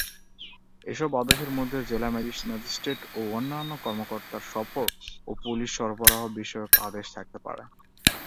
এসব আদেশের মধ্যে জেলা ম্যাজিস্ট্রেট ও অন্যান্য কর্মকর্তার সফর ও পুলিশ সরবরাহ বিষয়ক আদেশ থাকতে পারে।